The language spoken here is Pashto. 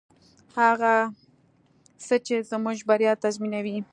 هغه څه چې زموږ بریا تضمینوي.